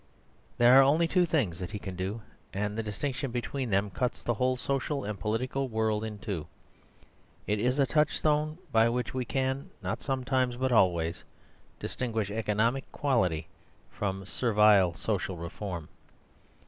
There are only two things that he can do, and the distinction between them cuts the whole social and political world in two. It is a touchstone by which we can not sometimes, but always distinguish economic equality from servile social reform.